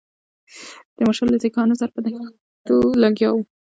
تیمورشاه له سیکهانو سره په نښتو لګیا وو.